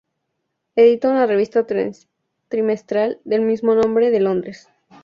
Edita una revista trimestral del mismo nombre en Londres.